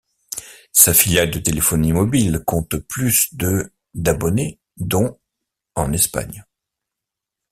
Sa filiale de téléphonie mobile compte plus de d’abonnés dont en Espagne.